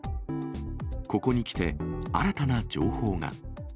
ここにきて、新たな情報が。